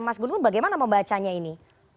mas gunun bagaimana membacanya ini